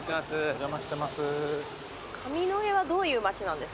お邪魔してます。